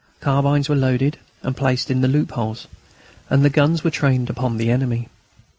Carbines were loaded and placed in the loopholes, and the guns were trained upon the enemy.